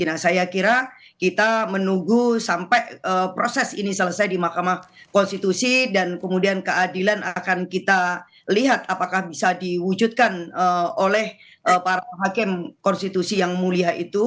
nah saya kira kita menunggu sampai proses ini selesai di mahkamah konstitusi dan kemudian keadilan akan kita lihat apakah bisa diwujudkan oleh para hakim konstitusi yang mulia itu